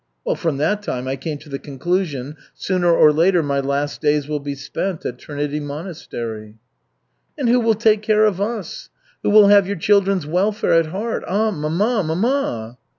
Well, from that time, I came to the conclusion, sooner or later my last days will be spent at Trinity Monastery." "And who will take care of us? Who will have your children's welfare at heart? Ah, mamma, mamma!"